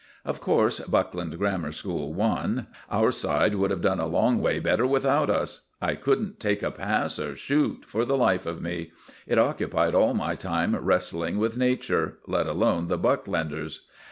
Of course Buckland Grammar School won. Our side would have done a long way better without us. I couldn't take a pass or shoot for the life of me it occupied all my time wrestling with nature, let alone the Bucklanders.